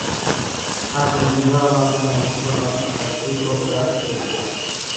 সামনের বিশাল আঙ্গিনায় মূল্যবান আর দূর্লভ গাছ রয়েছে।